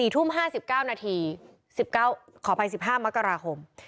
๔ทุ่ม๕๙นาทีขอไป๑๕มกราคม